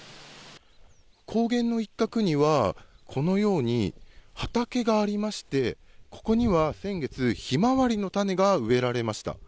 高原の一角には、このように畑がありまして、ここには、先月、ヒマワリの種が植えられました。